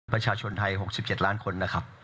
ประชาชนไทย๖๗ล้านคนนะครับ